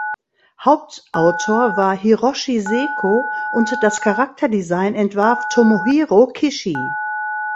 Hauptautor war Hiroshi Seko und das Charakterdesign entwarf Tomohiro Kishi.